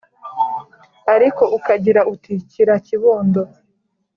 ariko ukagira uti: "kira kibondo! "